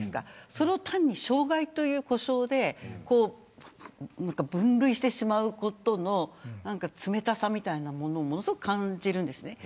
それを障害という呼称で分類してしまうことの冷たさみたいなものを感じるんです。